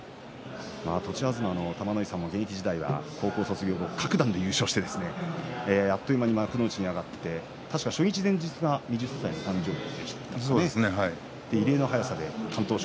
栃東の玉ノ井さんも現役時代は高校卒業後各段で優勝してあっという間に幕内に上がって初日前日が２０歳の誕生日でしたね。